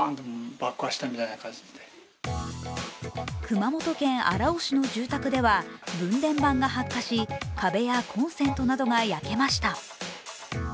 熊本県荒尾市の住宅では分電盤が発火し壁やコンセントなどが焼けました。